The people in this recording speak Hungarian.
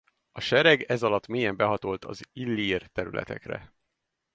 A sereg ezalatt mélyen behatolt az illír területekre.